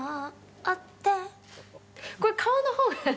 「これ顔の方がね」